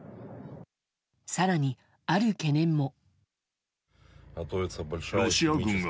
更に、ある懸念も。